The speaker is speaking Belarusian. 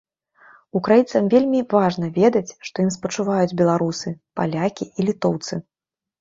Украінцам вельмі важна ведаць, што ім спачуваюць беларусы, палякі і літоўцы.